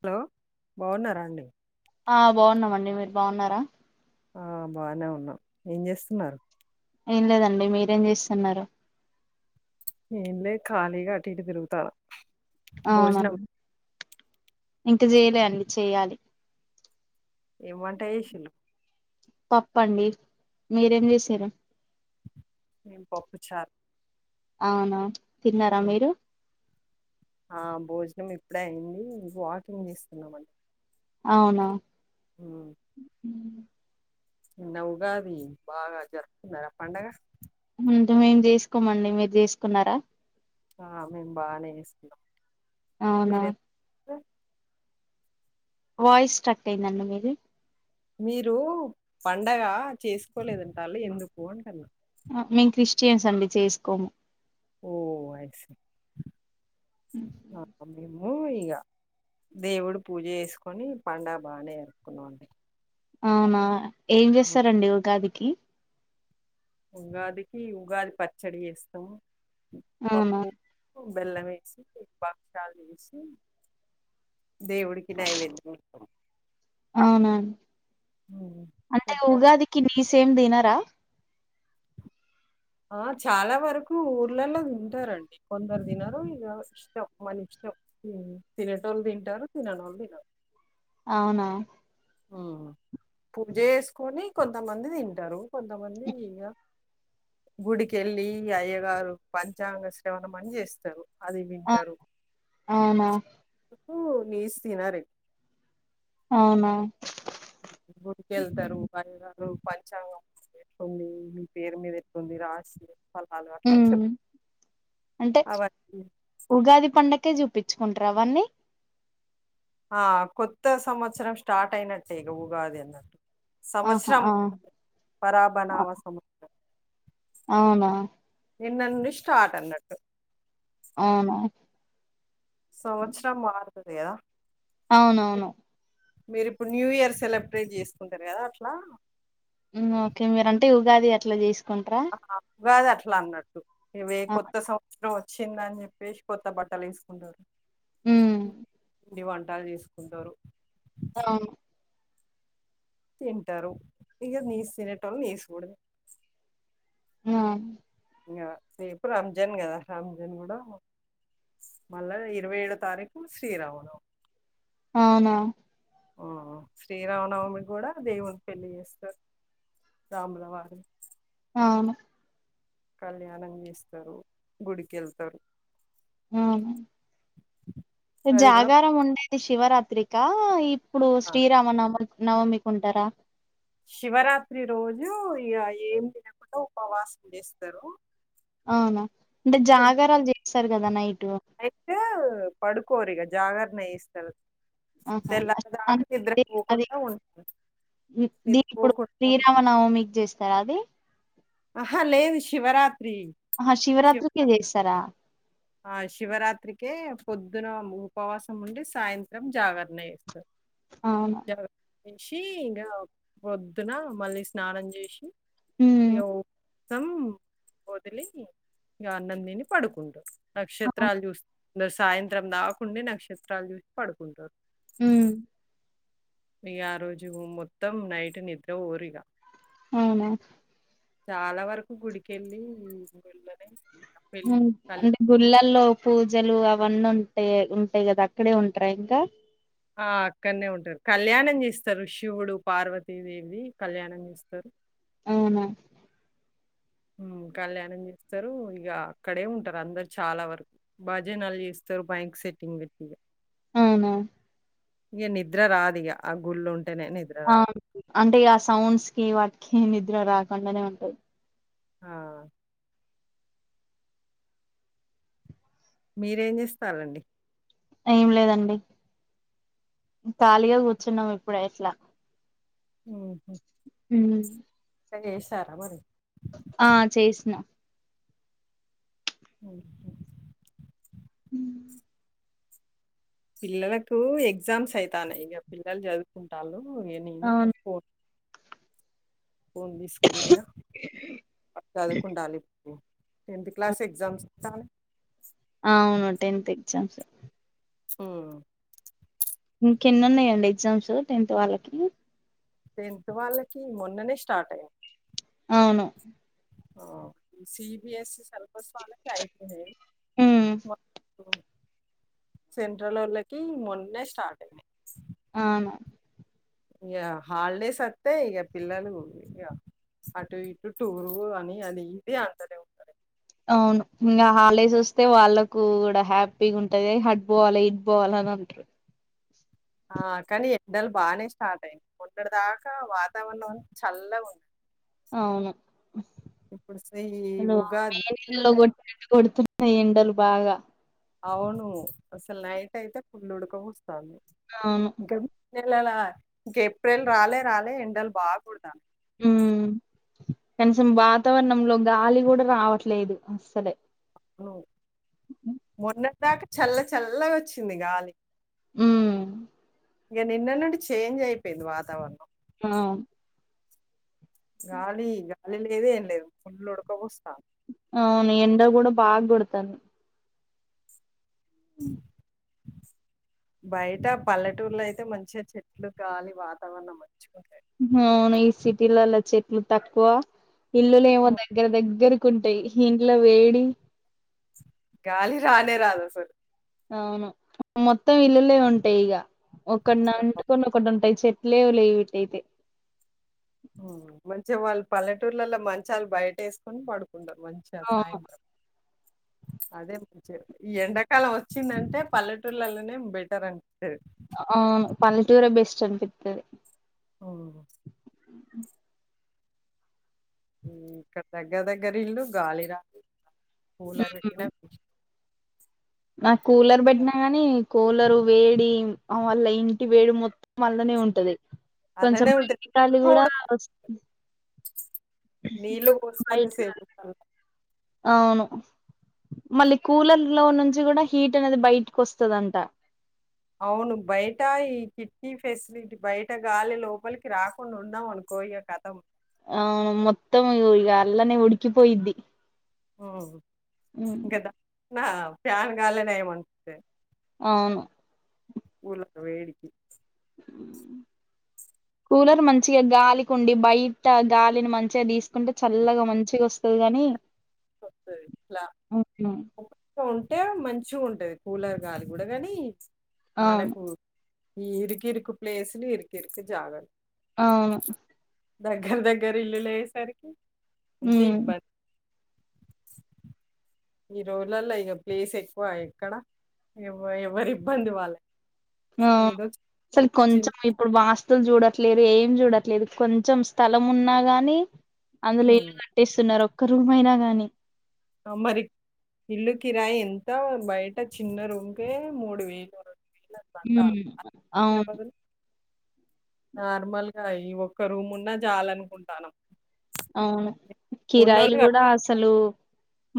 Hello బాగున్నారాండి ఆ బావున్నామండి మీరు బాగున్నారా ఆ బానే ఉన్నాం ఏం చేస్తున్నారు ఏం లేదండి మీరేం చేస్తున్నారు ఎమ్ లేదు ఖళీగా అటు ఇటు తిరుగుతానా అవునా ఇంక చేయలే అండి చేయాలి ఎం వంట చేసిల్లు పప్పు అండి మీరేం చేసిర్రు మేము పప్పుచార్ అవునా తిన్నారా మీరూ ఆ భోజనం ఇప్పుడే అయింది వాకింగ్ చేస్తున్నాం అం అవునా నిన్న ఉగాది బాగా జరుపుకున్నారు పండగ అంటే మేము చేసుకోమండి మీరు చేసుకున్నారా ఆ మేము బానే చేస్తుకున్నాం అవునా మీరె వాయిస్ స్టక్ అయిందండి మీది మీరు పండగ చేసుకోలేదంటళ్ళు ఎందుకు అంటన్నా మేమ్ క్రిస్టియన్స్ అండి చేసుకోము ఓ ఐ సీ అ అ మేము మూ ఇగ దేవుడు పూజ జేసుకొని, పండగ బానే అరుపుకున్నామండి. అవునా ఏం చేస్తారండి ఉగాది కి ఉగాదికి ఉగాది పచ్చడి చేస్తమ్ అవునా పప్పు బెల్లమే సీ బక్షాలు చేసి దేవుడికి నైవేద్యం తం అవునా ఉమ్. అంటే పెట్ట- ఉగాదికి నీసు ఏం దినరా ఆ చాలా వరకు ఊర్లళ్ళ తింటారండి. కొందరు దినరు ఇంగ ఇష్టం, మన ఇష్టం. తినేటోళ్లు తింటారు, తిననోళ్ళు తినరు. అవునా పూజ జేసుకొని కొంతమంది తింటారు, కొంతమంది ఇగ గుడికెళ్ళీ అయ్యగారు పంచాంగ శ్రవణం అని జేస్తరు. ఆ అవునా కూ నీస్ తినరే అవునా గుడికి ఎల్తరూ [unintelligible] పుడూ పంచాంగం ఎట్లుందీ, మీ పేరు మీద ఎట్టుంది రాసి. ఊ అంటే అవన్నీ ఉగాది పండక్కే చూపి తెచ్చుకుంటరా అవన్నీ ఆ కొత్త సంవత్సరం స్టార్ట్ అయినట్టే ఇగ ఊగాది అన్నట్టు ఆహా సంవత్సరం ఆ పరాబనావ సమస్రం అవునా నిన్న నుండి స్టార్ట్ అన్నట్టు అవునా సంవత్సరం మార్తది వేల అవునవును మీరు ఇప్పుడు న్యూ ఇయర్ సెలబ్రేట్ చేసుకుంటారు కదా అట్లా ఉమ్ ఓకే మీరంటే యు గాది అట్లా చేస్ కుంట్రా గాది అట్లా అన్నట్టు ఇవే కొత్త సంవత్సరం వ చిందని చెప్పేసి కొత్త బట్టలు ఏసుకుంటారు ఉమ్ దివాన్ టాలు చేసుకుంటారు అవును తింటరు ఇగా నీసు తినేటోళ్ళు నీసుకూడ ఆ ఇంగా రేపు రంజాన్ కదా రంజాన్ కూడా మళ్ళా ఇరవైఏడో తారీఖు శ్రీరామనవమి. అవునా. ఆ శ్రీరామనవమి కూడా దేవుని పెళ్ళి చేస్తరు రాముల వారి అవును. కళ్యాణం చేస్తరు, గుడికి ఎళ్తరు. అవునా అది కూడా జాగార ముండేటిది శివరా త్రికా ఇ ప్పుడు ఆ, శ్రీరామనవమి నవమికి ఉంటరా. శివరాత్రి రోజు ఇగ ఏం తినకుండా ఉపవాసం చేస్తరు. అవునా. అంటే జాగారలు చేయ స్తరుగా నై అయితే పడుకోరు ఇగా జాగరణ చేస్తరు. ఆహా [inaudible] అది నిద్రపోకుండా ఉంటారు ఇప్పుడు నిద్రపోకుండా ఉం- శ్రీరామ నవమికి చేస్తరా అది. అహా లేదు శివరా అహా శివరాత్రికే చేస్తరా. ఆ శివరాత్రికే పొద్దున ఉపవాసం ఉండి, సాయంత్రం జాగరణ చేస్తరు. అవునా లేచి ఇగా పొద్దున మళ్ళీ స్నానం జేశి ఉమ్ యో వ్రతం వదిలి ఇగా అన్నం తిని పడుకుంటరు. అవును నక్షత్రాలు చూస్ ఇంగా సాయంత్రం దాకుండి నక్షత్రాలు చూశి పడుకుంటరు. హుమ్ ఇగా ఆ రోజు మొత్తం నైట్ నిద్రపోరిగా అవునా చాలా వరకు గుడికెళ్ళి గుడుళ్ళ హ్ అంటే గుళ్ళల్లో పూజలు అవన్నీ ఉం టయి కదా అక్కడే ఉంటరా ఇంకా ఆ అక్కడనే ఉంటారు. కళ్యాణం చేస్తరు శివుడు పార్వతీదేవిది కళ్యాణం చేస్తరు. అవునా. హ్ కళ్యాణం చేస్తరు, ఇగా అక్కడే ఉంటరు అందరు చాలా వరకు బజనలు చేస్తరు మైక్ సెట్టింగ్ పెట్టి ఇగా. అవునా ఇగ నిద్ర రాదు ఇగ ఆ గుళ్ళ ఉం ఆ అంటే ఆ సౌండ్స్ కి వాటి కి నిద్ర రాకండనే ఉంటది ఆ మీరేం చేస్తారండి ఏం లేదండి ఖాళీగా కూర్చున్నాం ఇప్పుడె ఇట్ల ఉమ్ హు ఉమ్ వంట చేశారా మరి ఆ చేసిన ఉ హు ఉమ్ పిల్లలకు ఎగ్జామ్స్ అయితన్నై ఇగ పిల్లలు చదువుకుంటాలు ఇగ నేను అవును పో ఫోన్ తీసుకున్నా ఇగ చదువుకుంటాలి కు టెన్త్ క్లాస్ ఎగ్జామ్స్ కని అవును టెన్త్ ఎగ్జామ్స్ ఉమ్ ఇంకెన్ని ఉన్నాయండి ఎగ్జామ్స్ టెన్త్ వాళ్ళకి టెన్త్ వాళ్ళకి మొన్ననే స్టార్ట్ అయింది అవును ఆ ఈ సిబిఎస్ఈ స్ వాళ్ళకి అయిపోయినాయ్ హ్మ్ మ సెంట్రలోళ్ళకు మొన్నే స్టార్ట్ అయినాయి అవును ఇగ హాలిడేస్ అత్తే ఇగ పిల్లలు ఇక అటు ఇటు టూర్ అని అది ఇది అంటనే ఉంటరు అవును ఇంగ హాలిడేస్ వస్తే వాళ్ళకు కూడా హ్యాపీగా ఉంటది హట్ పోవాలి ఇట్ పోవాల అని అంటరు ఆ కానీ ఎండలు బానే స్టార్ట్ అయినయ్ మొన్నటి దాకా వాతావరణం అంత చల్లగా ఉండే అవును ఇప్పుడు స- ఈ హాలో మే ఉగాది నెల్లో నుండి అయితే- కొట్టినట్టు కొడు నయి ఎండలు బాగా అవును అసలు నైట్ అయితే ఫుల్ ఉడకపో స్తాంది అవును ఇంక పిల్లల ఇంక ఏప్రిల్ రాలే రాలే ఎండలు బాగకొడతన్నాయ్ ఉమ్ కనీసం వాతావరణంలో గాలి కూడా రావట్లేదు అస్సలే అవును మొన్నట్ దాక చల్ల చల్లగా వచ్చింది గాలి ఉమ్ ఇగ నిన్న నుండి చేంజ్ అయిపోయింది వాతావరణం ఆమ్ గాలి గ కరెంట్ లేదు ఏం లేదు ఫుల్లు ఉడక పోస్తోంది అవును ఎండ కూడా బాగ కొడతా బయట పల్లెటూరులో అయితే మంచిగా చెట్లు కాలి వాతావరణం మంచిు అవును ఈ సిటీలోలా చెట్లు తక్కువ ఇల్లులు ఏమో దగ్గర దగ్గర కుంటాయి ఇంట్లో వేడి గాలి రానే రాదు అసలు అవును మొత్తం ఇల్లులే ఉంటాయి ఇగ ఒకడిన వండుకొని ఒకటి ఉంటాయి చె లేవు లే ఇటు ఐతే మంచిగా వాళ్ళు పల్లెటూర్లలో మంచాలు బయట వేసుకొని పడు మంచిగా అవును సాయంత్రం అదే ఈ ఎండాకాలం వచ్చిందంటే పల్లెటూళ్లలోనే బెటర్ అంటారు అవును పల్లెటూరు బెస్ట్ అనిపిస్తుది ఓ ఇక్కడ దగ్గర దగ్గర ఇల్లు గాలి రాల కూలర్ ఉమ్ పెట్టిన నాకు కూలర్ పెట్టినా గాని కూలరు వేడి వల్ల ఇంటి వేడి మొత్తం అల్లనే ఉంటది కొంచెం అలానే ఉంటది బయిటి గాలి కూడా కొంచెం నీళ్లు పోసినంత బయిటి గాలి సేపు అవును మళ్ళీ కూలర్ లో నుంచి కూడా హీట్ అనేది బయటకు వస్తుదంట అవును బయట ఈ కిట్కీ ఫెసిలిటీ బయట గాలి లోపలికి రాకుండా ఉన్నాం అనుకో ఇగ కథం అవును మొత్తం ఇ ఇగ అల్లనే ఉడుకిపోయిద్ది అవును గదా నా ఫ్యాన్ గాలే నయం ఉంటది అవును కూల్లర్ల వేడికి కూలర్ మంచిగా గాలికి ఉండి బయట గాలిని మంచిగా తీసుకుంటే చల్లగా మంచిగా వస్తది గాని వస్తది ఇట్లా అవును ఉంటే మంచిగా ఉంటది కూలర్ గాలి కూడా కానీ అవును మనకు ఈ ఇరికిరికి పప్లేస్ ఇరికిరికి జాగాలు అవును దగ్గర దగ్గర ఇల్లులు అయ్యేసరికి ఉంటే ఉమ్ ఇబ్బంది ఈ రోజులలో ఇక ప్లేస్ ఎక్కువ ఎక్కడ ఎవ ఎవరి ఇబ్బంది వాళ్ళకే ఆవును అసలు కొంచెం ఇప్పుడు వాస్త స్తులు చూడట్లేదు ఏం చూడట్లేదు కొంచెం స్థలం ఉన్నా గాని అందులో ఇళ్లు ఉమ్. కట్టేస్తున్నారు ఒక్క రూం అయినా గాని మరి ఇల్లు కిరాయి ఎంత బయట చిన్న చిన్న రూమ్ కి మూడు వేలు వేలు అట్లా ఉ అవును నార్మల్గా ఈ ఒక్క రూమ్ ఉన్నా చాలనుకుంటాను అవును కిరాయిలు కూడా కట్టుకుంటారు అసలు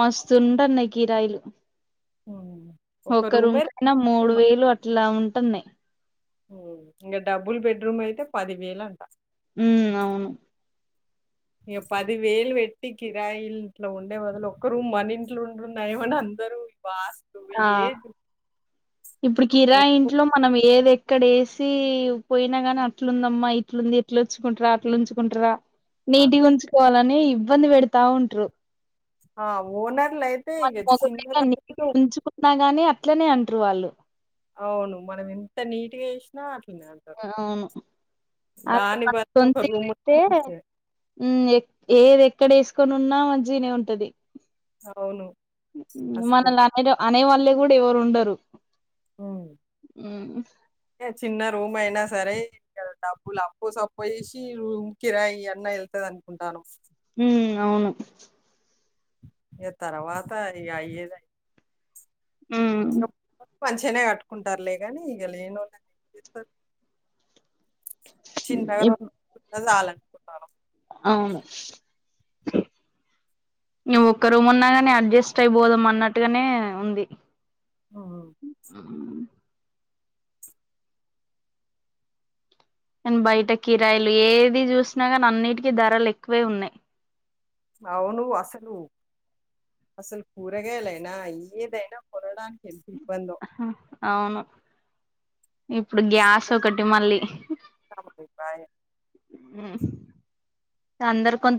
మస్తుంటున్నాయి కిరాయిలు హ్మ్. ఒక ఒక్క రూమే రూంకైనా మూడు వేలు అట్లా ఉంటాయి ఉంటున్నాయి ఉ ఇగ డబుల్ బెడ్రూమ్ అయితే పది వేలు అంట ఉ అవును ఇక పది వేలు పెట్టి కిరాయిల్ ఇంట్లో ఉండే బదులు ఒక్క రూమ్ మన ఇంట్లో ఉంటుడు నయం అని అందరూ వాస్తు ఆ! ఏమి ఇప్పుడు కిరాయియింట్లో మనం ఏదైనా ఇక్కడ వేసి పోయినా గాని అట్లుందమ్మా ఇట్లుంది ఇట్లుచ్చుకుంటార అట్లు ఆ! నీట్ గా ఉంచుకోవాలి కానీ ఇబ్బంది పెడతా ఉంటరు ఆ ఓనర్ల అయితే ఇక చిన్న విషయాలకు ఉంచుకున్నాకే కాని అట్లనే అంటారు వాళ్ళు అవును మనం ఎంత నీట్గా వేసినా అ అవును అలా దాని మనకు బదులు ఒక రూమ్ ఉంటే సొంతిల్లుంటే మంచిది ఊ ఏదైనా ఇక్కడ వేసుకని ఉన్నా మంచిగానే ఉంటది అవును అసలు మనల్ని అనేవాళ్లే కూడా ఎవరు ఉండరు ఉమ్. ఉ ఏ చిన్న రూమ్ అయినా సరే ఇ డబ్బులు అప్పు సప్పు వేసి రూమ్ కిరాయి అన్న వెళ్తుంది అనుకుంటాను ఉ అవును ఈగ తర్వాత అయి అయ్యేదే ఉ మంచిగానే కట్టుకుంటారులే కానీ ఇగ లే నోళ్ళు ఏం చేస్తారు చిన్నగా ఇప్ అంతా చాలనుకుంటున్నారు అవును నువ్వు ఒక్క రూమ్ అన్నా కాని అడ్జస్ట్ అయిపోదాం అన్నట్టుగానే ఉంది ఆ హ్మ్. నను బయట కిరాయిలు ఏది చూసినా కానీ అన్నిటికీ ధరలు ఎక్కువే ఉన్నాయి అవును అసలు అసలు కూరగాయలైనా ఏదైనా కొనడానికి ఎంత ఇబ్బందో అవును ఇప్పుడు గ్యాస్ ఒకటి మళ్ళి బాయ్ హ్మ్ అందరు కొంత